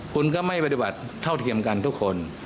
คุณก็ไม่ปฏิบัติเท่าเทียมกันทุกคน